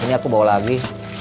ini aku bawa lagi